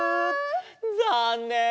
ざんねん！